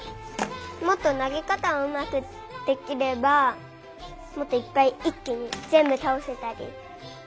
もっとなげかたをうまくできればもっといっぱいいっきにぜんぶたおせたり。